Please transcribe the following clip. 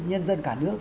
nhân dân cả nước